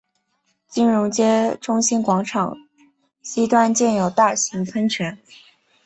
金融街中心广场西端建有大型喷泉。